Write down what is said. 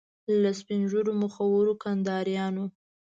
له سپین ږیرو مخورو کنداریانو.